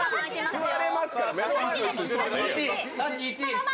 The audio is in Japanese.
座れますから！